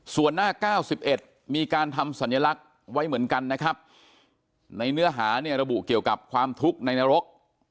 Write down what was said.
ส่วนหน้า๙๑มีการทำสัญลักษณ์ไว้เหมือนกันนะครับในเนื้อหาเนี่ยระบุเกี่ยวกับความทุกข์ในนรก